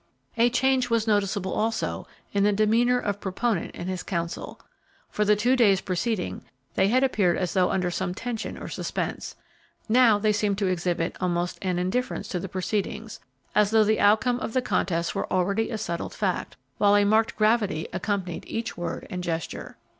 A change was noticeable also in the demeanor of proponent and his counsel. For the two days preceding they had appeared as though under some tension or suspense; now they seemed to exhibit almost an indifference to the proceedings, as though the outcome of the contest were already a settled fact, while a marked gravity accompanied each word and gesture.